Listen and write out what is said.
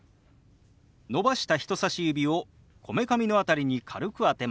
伸ばした人さし指をこめかみの辺りに軽く当てます。